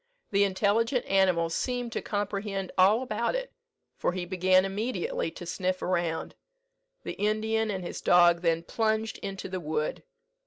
The intelligent animal seemed to comprehend all about it, for he began immediately to sniff around. The Indian and his dog then plunged into the wood.